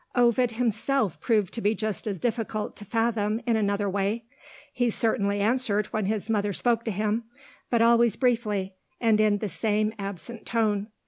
Ovid himself proved to be just as difficult to fathom, in another way He certainly answered when his mother spoke to him, but always briefly, and in the same absent tone.